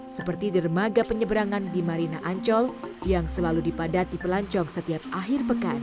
seperti di remaga penyeberangan di marina ancol yang selalu dipadat di pelancong setiap akhir pekan